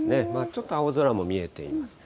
ちょっと青空も見えています。